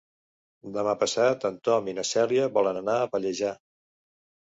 Demà passat en Tom i na Cèlia volen anar a Pallejà.